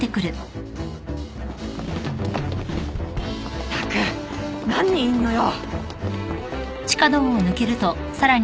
ったく何人いんのよ！